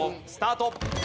スタート！